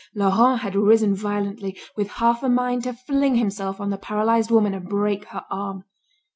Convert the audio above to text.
Laurent had risen violently, with half a mind to fling himself on the paralysed woman and break her arm.